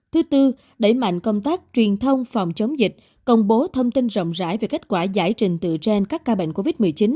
thứ tư đẩy mạnh công tác truyền thông phòng chống dịch công bố thông tin rộng rãi về kết quả giải trình từ trên các ca bệnh covid một mươi chín